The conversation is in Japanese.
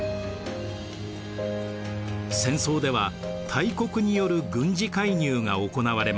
戦争では大国による軍事介入が行われました。